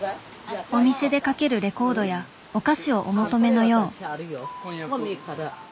お店でかけるレコードやお菓子をお求めのよう。